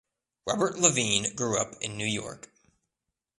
Robert Levine grew up in New York.